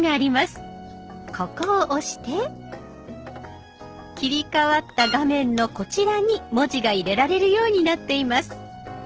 ここを押して切り替わった画面のこちらに文字が入れられるようになっています。